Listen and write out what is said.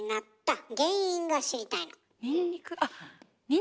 ニンニクあ！